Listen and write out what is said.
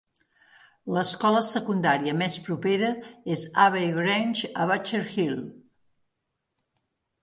L'escola secundària més propera és Abbey Grange a Butcher Hill.